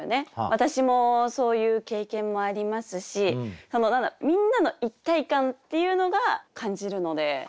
私もそういう経験もありますしみんなの一体感っていうのが感じるので選ばせて頂きました。